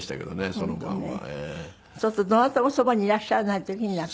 そうするとどなたもそばにいらっしゃらない時に亡くなった。